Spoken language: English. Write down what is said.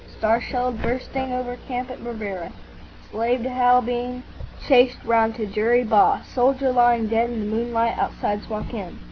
—Star shelled bursting over camp at Berbera.—Slave dhow being chased round Tajurrah Bah.—Soldier lying dead in the moonlight outside Suakin.